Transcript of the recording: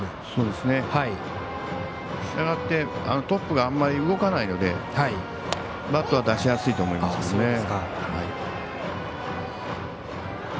したがってトップがあまり動かないので、バットは出しやすいと思いますね。